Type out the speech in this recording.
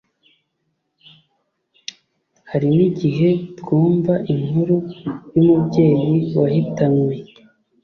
hari n igihe twumva inkuru y umubyeyi wahitanywe